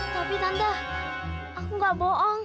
tapi tanda aku gak boong